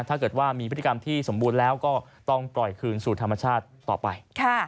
ถ้าเกิดว่ามีพฤติกรรมที่สมบูรณ์แล้วก็ต้องปล่อยคืนสู่ธรรมชาติต่อไป